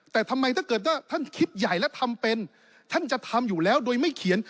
แต่ทำไมถ้าเกิดว่าท่านคิดใหญ่และทำเป็นท่านจะทำอยู่แล้วโดยไม่เขียน